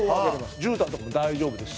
じゅうたんとかも大丈夫ですし。